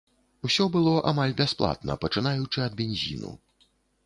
Усё было амаль бясплатна, пачынаючы ад бензіну.